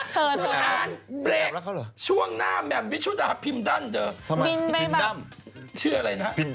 พี่แหม่มเขาลงทุนด้วยลงจัง